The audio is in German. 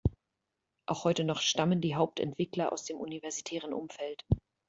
Auch heute noch stammen die Hauptentwickler aus dem universitären Umfeld.